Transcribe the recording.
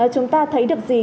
chúng ta thấy được gì